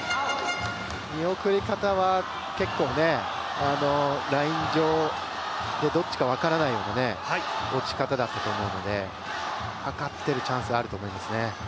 見送り方は結構ライン上でどっちか分からないような落ち方だったと思うのでかかっているチャンスあると思いますね。